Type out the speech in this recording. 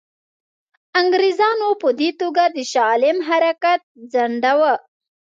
انګرېزانو په دې توګه د شاه عالم حرکت ځنډاوه.